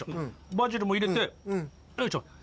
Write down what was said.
バジルも入れてよいしょ。